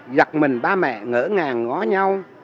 giặt mình ba mẹ ngỡ ngàng ngó nhau